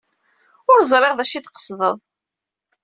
Ur ẓriɣ d acu ay d-tqesded.